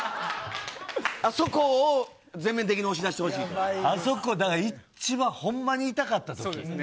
あそこを全面的に押し出してほしあそこ、一番、ほんまに痛かそうですね。